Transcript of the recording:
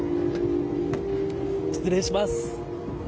失礼します。